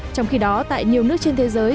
trong khi đó tại nhiều nước trên thế giới